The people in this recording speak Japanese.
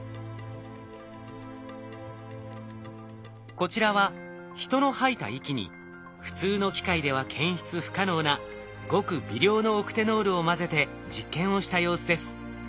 こちらは人の吐いた息に普通の機械では検出不可能なごく微量のオクテノールを混ぜて実験をした様子です。